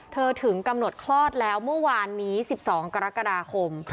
ถึงกำหนดคลอดแล้วเมื่อวานนี้๑๒กรกฎาคม